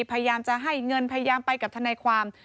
พยายามจะให้เงินพยายามไปกับทนายความ